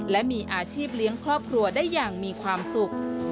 และมีอาชีพเลี้ยงครอบครัวได้อย่างมีความสุข